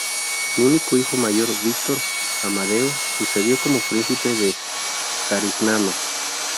Su único hijo mayor Víctor Amadeo sucedió como Príncipe de Carignano.